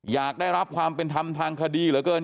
อยากได้รับความเป็นธรรมทางคดีเหลือเกิน